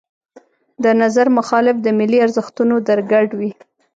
د نظر مخالف د ملي ارزښتونو درګډ وي.